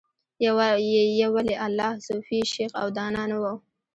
یو ولي الله، صوفي، شیخ او دانا نه و